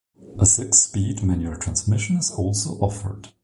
A six-speed manual transmission is also offered.